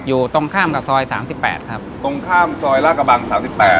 อยู่ตรงข้ามกับซอยสามสิบแปดครับตรงข้ามซอยลากระบังสามสิบแปด